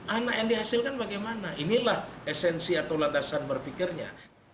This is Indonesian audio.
anak yang dihasilkan bagaimana inilah esensi atau landasan berpikirnya